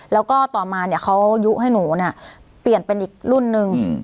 แล้วก็ต่อมาเนี่ยเขายุให้หนูเนี่ยเปลี่ยนเป็นอีกรุ่นนึง